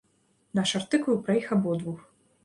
Наш артыкул пра іх абодвух.